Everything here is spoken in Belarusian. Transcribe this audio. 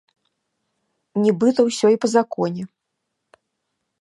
Нібыта ўсё і па законе.